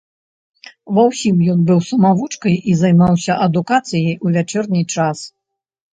Ва ўсім ён быў самавучкай і займаўся адукацыяй у вячэрні час.